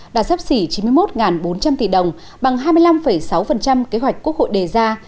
đạt sấp xỉ chín mươi một bốn trăm linh tỷ đồng bằng hai mươi năm sáu kế hoạch quốc hội đề ra